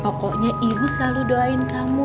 pokoknya ibu selalu doain kamu